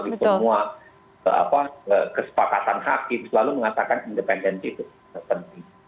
di semua kesepakatan hakim selalu mengatakan independensi itu penting